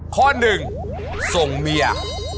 ข้อหนึ่งส่งเมีย